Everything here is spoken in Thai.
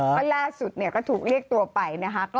เพราะล่าสุดก็ถูกเรียกตัวไปนะคะ